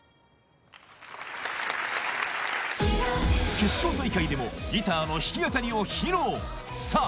決勝大会でもギターの弾き語りを披露さぁ